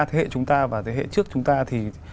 thế hệ chúng ta và thế hệ trước chúng ta thì